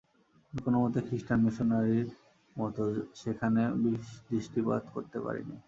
আমি কোনোমতেই খৃষ্টান মিশনারির মতো সেখানে বিষদৃষ্টিপাত করতে পারি নে।